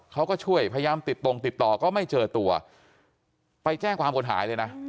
เขาก็ช่วยพยายามติดตรงติดต่อก็ไม่เจอตัวไปแจ้งความคนหายเลยนะ